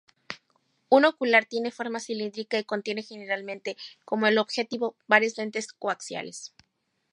Un ocular tiene forma cilíndrica y contiene generalmente, como el objetivo, varias lentes coaxiales.